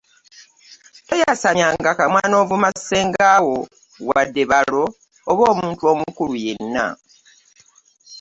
Toyasamyanga akamwa n'ovuma Ssengaawo wadde balo oba omuntu yenna.